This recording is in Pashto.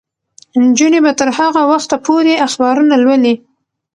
نجونې به تر هغه وخته پورې اخبارونه لولي.